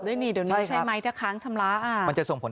นี่เดี๋ยวนี้ใช่ไหมถ้าค้างชำระอ่ะมันจะส่งผล